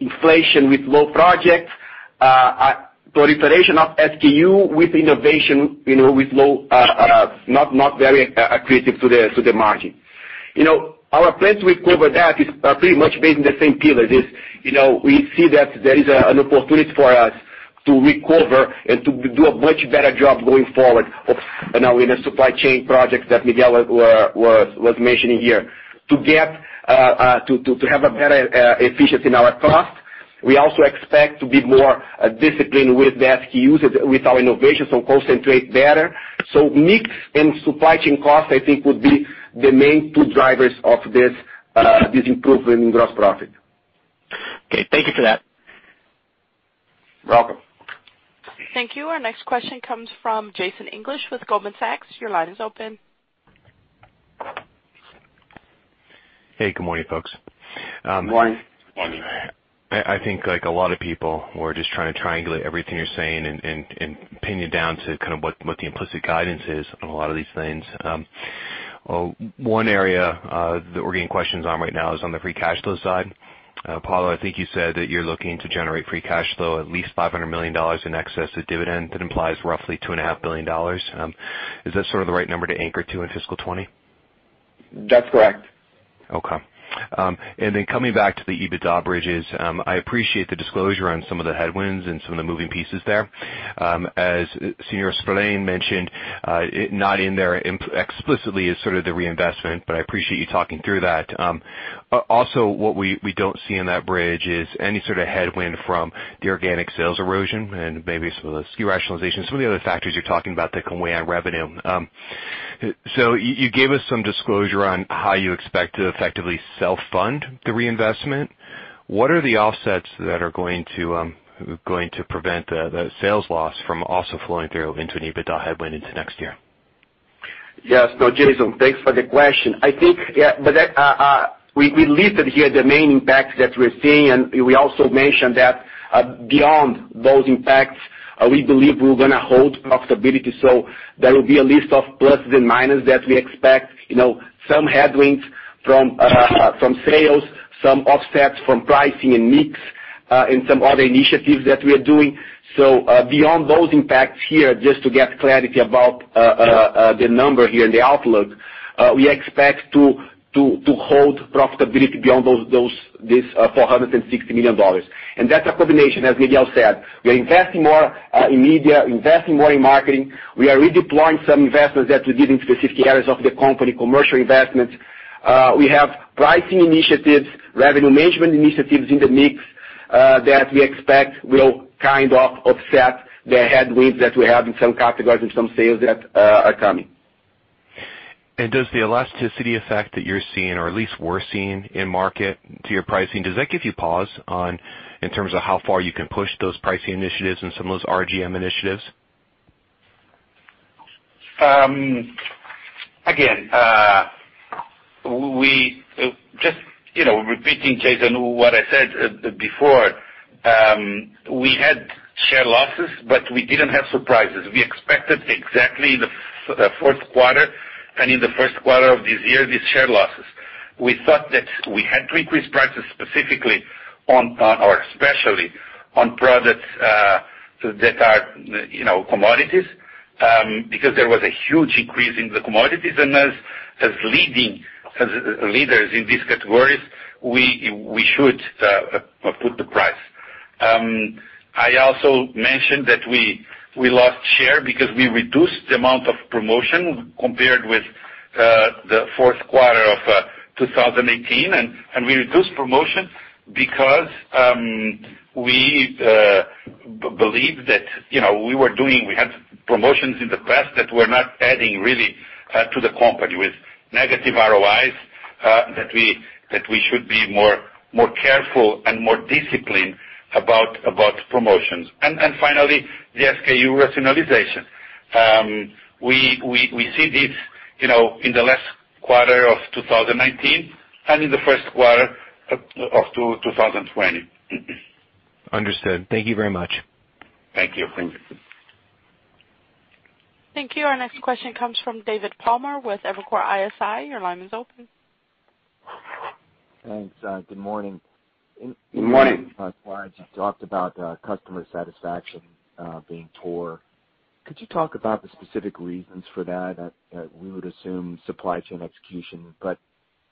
inflation with low projects, proliferation of SKU with innovation not very accretive to the margin. Our plan to recover that is pretty much based on the same pillar. We see that there is an opportunity for us to recover and to do a much better job going forward now in the supply chain projects that Miguel was mentioning here to have a better efficiency in our cost. We also expect to be more disciplined with the SKUs, with our innovation, so concentrate better. Mix and supply chain cost, I think, would be the main two drivers of this improvement in gross profit. Okay. Thank you for that. Welcome. Thank you. Our next question comes from Jason English with Goldman Sachs. Your line is open. Hey, good morning, folks. Good morning. I think like a lot of people, we're just trying to triangulate everything you're saying and pin you down to kind of what the implicit guidance is on a lot of these things. One area that we're getting questions on right now is on the free cash flow side. Paulo, I think you said that you're looking to generate free cash flow at least $500 million in excess of dividend. That implies roughly $2.5 billion. Is that sort of the right number to anchor to in fiscal 2020? That's correct. Coming back to the EBITDA bridges, I appreciate the disclosure on some of the headwinds and some of the moving pieces there. As Senior Spillane mentioned, not in there explicitly is sort of the reinvestment, but I appreciate you talking through that. What we don't see in that bridge is any sort of headwind from the organic sales erosion and maybe some of the SKU rationalization, some of the other factors you're talking about that can weigh on revenue. You gave us some disclosure on how you expect to effectively self-fund the reinvestment. What are the offsets that are going to prevent the sales loss from also flowing through into an EBITDA headwind into next year? Yes. Jason, thanks for the question. I think, we listed here the main impacts that we're seeing, and we also mentioned that beyond those impacts, we believe we're going to hold profitability. There will be a list of pluses and minuses that we expect, some headwinds from sales, some offsets from pricing and mix, and some other initiatives that we are doing. Beyond those impacts here, just to get clarity about. Yeah the number here in the outlook, we expect to hold profitability beyond this $460 million. That's a combination, as Miguel said. We're investing more in media, investing more in marketing. We are redeploying some investments that we did in specific areas of the company, commercial investments. We have pricing initiatives, revenue management initiatives in the mix, that we expect will kind of offset the headwinds that we have in some categories and some sales that are coming. Does the elasticity effect that you're seeing, or at least were seeing in market to your pricing, does that give you pause in terms of how far you can push those pricing initiatives and some of those RGM initiatives? Again, just repeating, Jason, what I said before, we had share losses, but we didn't have surprises. We expected exactly in the Q4, and in the Q1 of this year, these share losses. We thought that we had to increase prices specifically on, or especially on products that are commodities, because there was a huge increase in the commodities. As leaders in these categories, we should put the price. I also mentioned that we lost share because we reduced the amount of promotion compared with the Q4 of 2018. We reduced promotion because, we believed that we had promotions in the past that were not adding really to the company, with negative ROIs, that we should be more careful and more disciplined about promotions. Finally, the SKU rationalization. We see this in the last quarter of 2019 and in the Q1 of 2020. Understood. Thank you very much. Thank you. Thank you. Our next question comes from David Palmer with Evercore ISI. Your line is open. Thanks. Good morning. Good morning. You- Good morning. slides, you talked about customer satisfaction being poor. Could you talk about the specific reasons for that? We would assume supply chain execution, but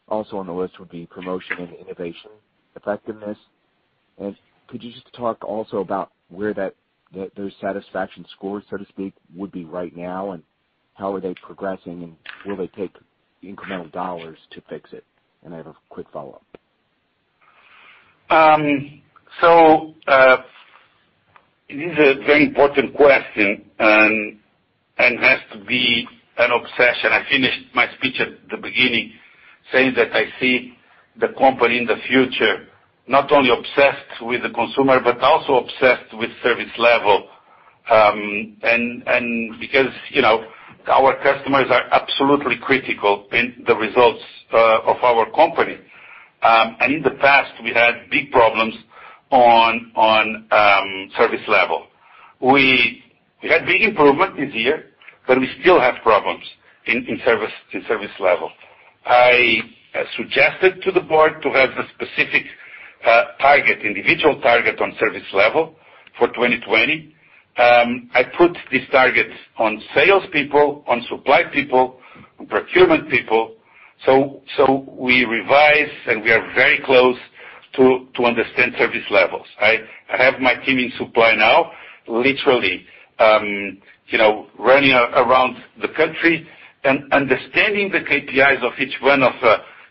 also on the list would be promotion and innovation effectiveness. Could you just talk also about where those satisfaction scores, so to speak, would be right now, and how are they progressing, and will they take incremental dollars to fix it? I have a quick follow-up. This is a very important question and has to be an obsession. I finished my speech at the beginning saying that I see the company in the future not only obsessed with the consumer, but also obsessed with service level, and because our customers are absolutely critical in the results of our company. In the past, we had big problems on service level. We had big improvement this year, but we still have problems in service level. I suggested to the board to have a specific target, individual target on service level for 2020. I put these targets on salespeople, on supply people, on procurement people. We revised, and we are very close to understand service levels, right? I have my team in supply now, literally running around the country and understanding the KPIs of each one of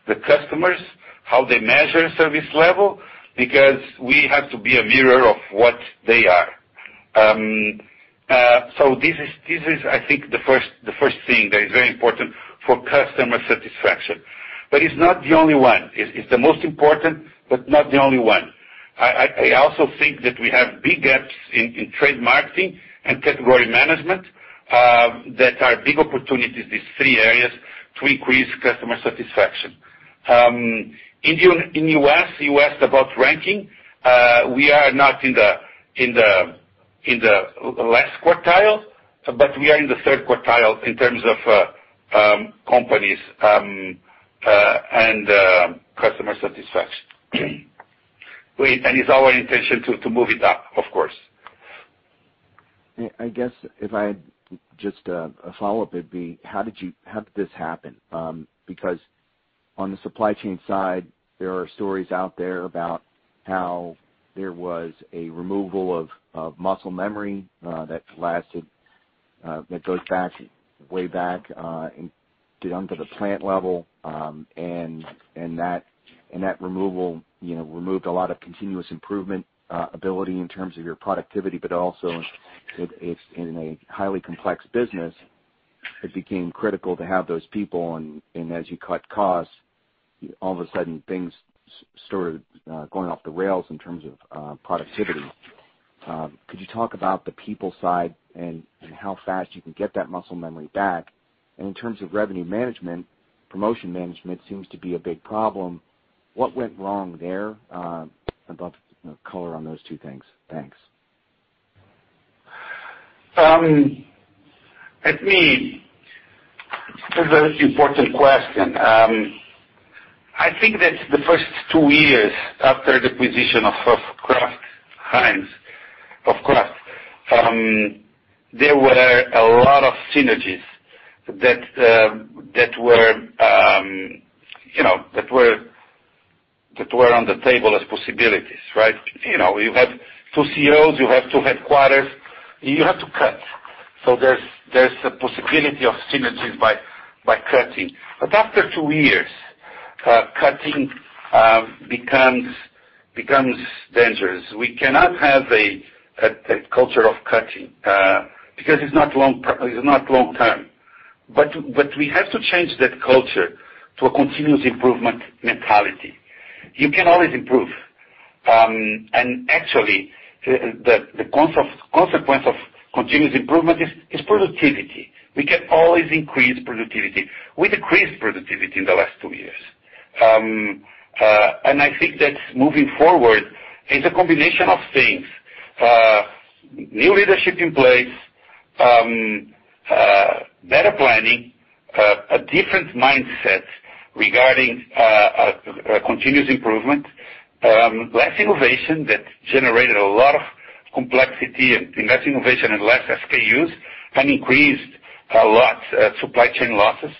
the customers, how they measure service level, because we have to be a mirror of what they are. This is, I think, the first thing that is very important for customer satisfaction. It's not the only one. It's the most important, but not the only one. I also think that we have big gaps in trade marketing and category management, that are big opportunities, these three areas, to increase customer satisfaction. In U.S., you asked about ranking. We are not in the last quartile, but we are in the third quartile in terms of companies, and customer satisfaction. It's our intention to move it up, of course. I guess if I had just a follow-up, it'd be, how did this happen? On the supply chain side, there are stories out there about how there was a removal of muscle memory that goes back, way back, down to the plant level. That removal removed a lot of continuous improvement ability in terms of your productivity. Also, in a highly complex business, it became critical to have those people. As you cut costs, all of a sudden things started going off the rails in terms of productivity. Could you talk about the people side and how fast you can get that muscle memory back? In terms of revenue management, promotion management seems to be a big problem. What went wrong there? A bit of color on those two things. Thanks. To me, it's a very important question. I think that the first two years after the position of Kraft Heinz, of Kraft, there were a lot of synergies that were on the table as possibilities, right? You have two CEOs, you have two headquarters, you have to cut. There's a possibility of synergies by cutting. After two years, cutting becomes dangerous. We cannot have a culture of cutting, because it's not long-term. We have to change that culture to a continuous improvement mentality. You can always improve. Actually, the consequence of continuous improvement is productivity. We can always increase productivity. We decreased productivity in the last two years. I think that moving forward is a combination of things. New leadership in place, better planning, a different mindset regarding continuous improvement, less innovation that generated a lot of complexity, and less innovation and less SKUs, and increased a lot supply chain losses.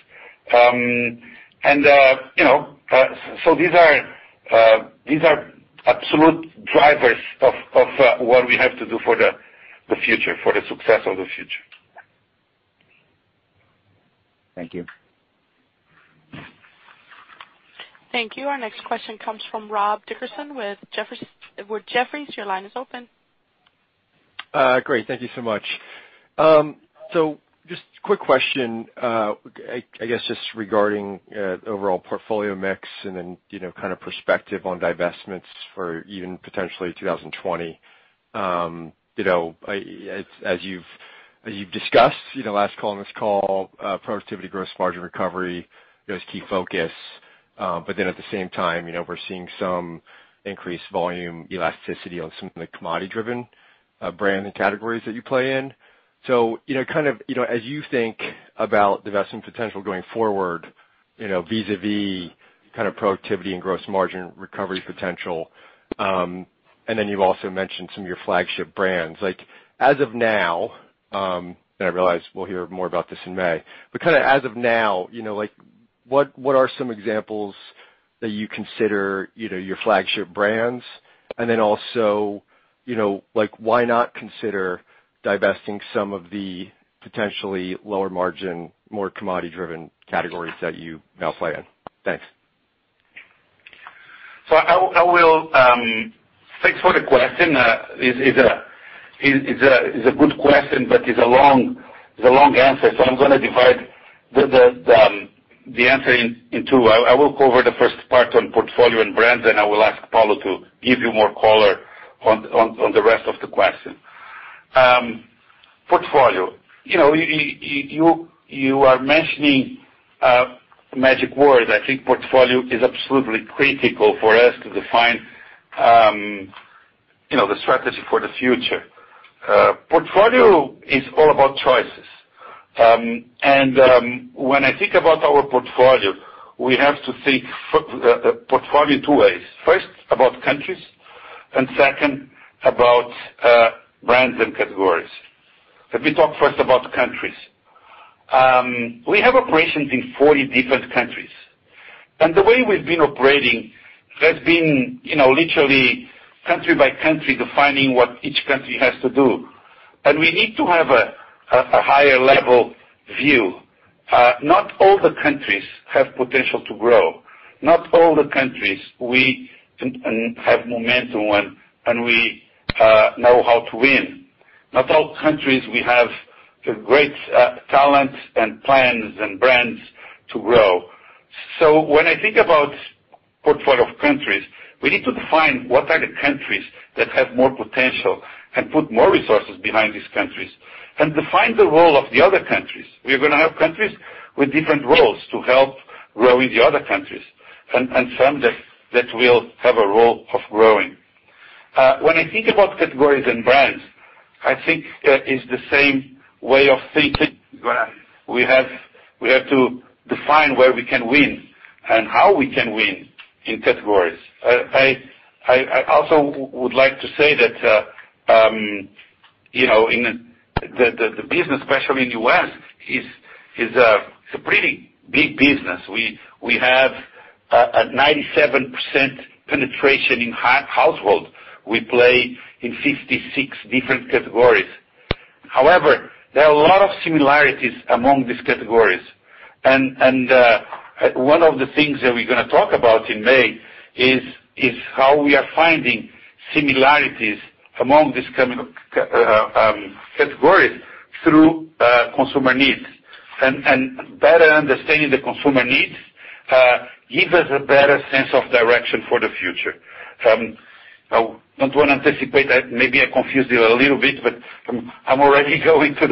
These are absolute drivers of what we have to do for the future, for the success of the future. Thank you. Thank you. Our next question comes from Rob Dickerson with Jefferies. Your line is open. Great. Thank you so much. Just quick question, I guess just regarding overall portfolio mix and then kind of perspective on divestments for even potentially 2020. As you've discussed, last call and this call, productivity, gross margin recovery, those key focus. At the same time, we're seeing some increased volume elasticity on some of the commodity-driven brand and categories that you play in. As you think about divestment potential going forward, vis-a-vis kind of productivity and gross margin recovery potential, and then you've also mentioned some of your flagship brands. As of now, and I realize we'll hear more about this in May, but kind of as of now, what are some examples that you consider your flagship brands? Also, why not consider divesting some of the potentially lower margin, more commodity-driven categories that you now play in? Thanks. Thanks for the question. It's a good question, but it's a long answer. I'm going to divide the answer in two. I will cover the first part on portfolio and brands, and I will ask Paulo to give you more color on the rest of the question. Portfolio. You are mentioning magic words. I think portfolio is absolutely critical for us to define the strategy for the future. Portfolio is all about choices. When I think about our portfolio, we have to think portfolio two ways. First, about countries, and second, about brands and categories. Let me talk first about countries. We have operations in 40 different countries, and the way we've been operating has been literally country by country, defining what each country has to do. We need to have a higher level view. Not all the countries have potential to grow. Not all the countries we have momentum on, and we know how to win. Not all countries we have great talent and plans and brands to grow. When I think about portfolio of countries, we need to define what are the countries that have more potential and put more resources behind these countries, and define the role of the other countries. We're going to have countries with different roles to help grow in the other countries, and some that will have a role of growing. When I think about categories and brands, I think it's the same way of thinking. We have to define where we can win and how we can win in categories. I also would like to say that the business, especially in U.S., it's a pretty big business. We have a 97% penetration in households. We play in 56 different categories. There are a lot of similarities among these categories. One of the things that we're going to talk about in May is how we are finding similarities among these categories through consumer needs. Better understanding the consumer needs gives us a better sense of direction for the future. I don't want to anticipate, maybe I confused you a little bit, but I'm already going to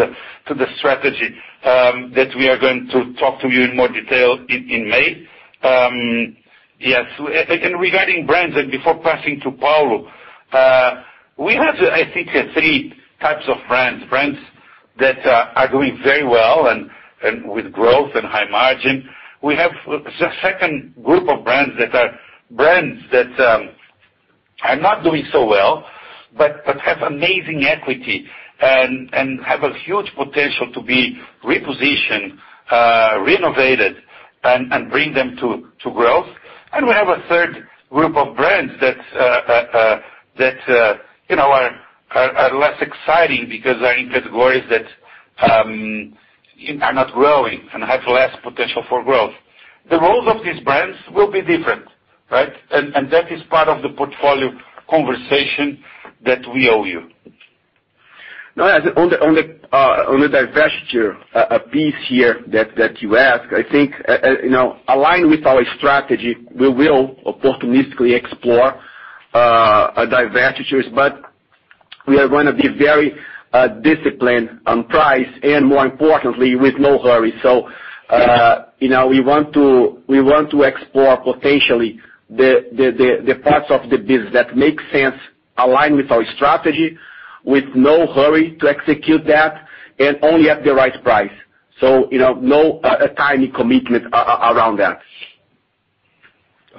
the strategy that we are going to talk to you in more detail in May. Yes. Regarding brands, before passing to Paulo, we have, I think three types of brands. Brands that are doing very well and with growth and high margin. We have the second group of brands that are brands that are not doing so well, but have amazing equity and have a huge potential to be repositioned, renovated and bring them to growth. We have a third group of brands that are less exciting because they're in categories that are not growing and have less potential for growth. The roles of these brands will be different, right? That is part of the portfolio conversation that we owe you. On the divestiture piece here that you ask, I think, aligned with our strategy, we will opportunistically explore divestitures, but we are going to be very disciplined on price and more importantly, with no hurry. We want to explore potentially the parts of the business that make sense, align with our strategy, with no hurry to execute that, and only at the right price. No timing commitment around that.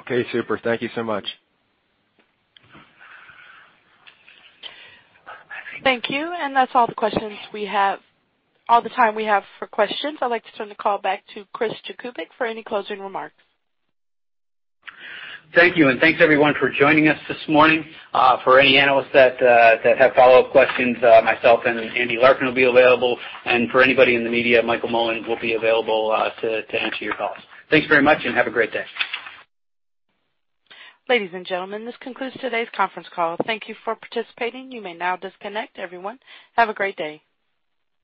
Okay, super. Thank you so much. Thank you. That's all the time we have for questions. I'd like to turn the call back to Chris Jakubik for any closing remarks. Thank you, thanks everyone for joining us this morning. For any analysts that have follow-up questions, myself and Andrew Larkin will be available. For anybody in the media, Michael Mullen will be available to answer your calls. Thanks very much and have a great day. Ladies and gentlemen, this concludes today's conference call. Thank you for participating. You may now disconnect everyone. Have a great day.